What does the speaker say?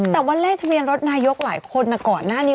แต่ว่าเลขทะเบียนรถนายกหลายคนก่อนหน้านี้